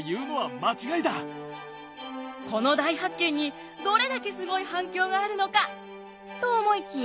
この大発見にどれだけすごい反響があるのかと思いきや。